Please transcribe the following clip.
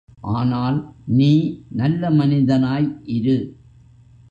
ஆனால் நீ நல்ல மனிதனாய் இரு.